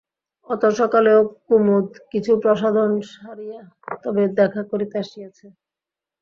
অত সকালেও কুমুদ কিছু প্রসাধন সারিয়া তবে দেখা করিতে আসিয়াছে।